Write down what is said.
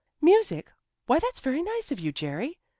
"Music! Why, that's very nice of you, Jerry.